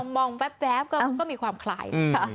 มองแว๊บก็มีความคลาย